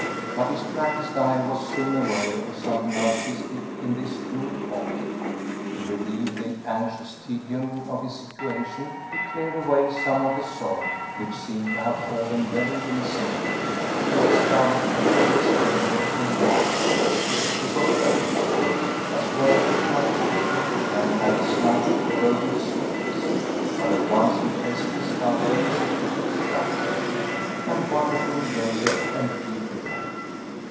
But his practised eye was soon aware of something artistic in this rude object. To relieve the anxious tedium of his situation, he cleared away some of the soil, which seemed to have fallen very recently, and discovered a headless figure of marble. It was earth stained, as well it might be, and had a slightly corroded surface, but at once impressed the sculptor as a Greek production, and wonderfully delicate and beautiful.